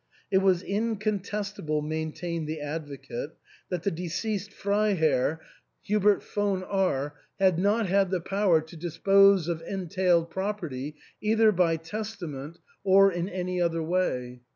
It was incontestable, maintained the advocate, that the deceased Freiherr 300 THE ENTAIL. Hubert Von R had not had the power to dispose of entailed property either by testament or in any other way.